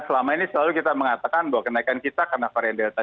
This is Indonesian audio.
selama ini selalu kita mengatakan bahwa kenaikan kita karena varian delta